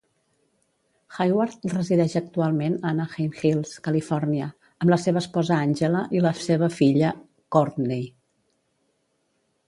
Hayward resideix actualment a Anaheim Hills, Califòrnia, amb la seva esposa Angela i la seva filla Courtney.